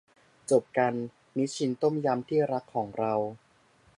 จบกัน นิชชินต้มยำที่รักของเรา